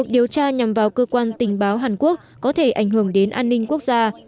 điều tra nhằm vào cơ quan tình báo hàn quốc có thể ảnh hưởng đến an ninh quốc gia